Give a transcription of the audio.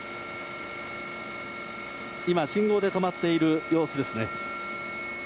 今、信号で止まっている様子ですね。